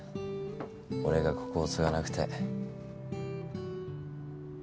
俺がここを継がなくて。